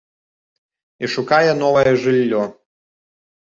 І шукае новае жыллё.